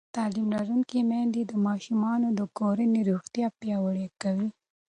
تعلیم لرونکې میندې د ماشومانو د کورنۍ روغتیا پیاوړې کوي.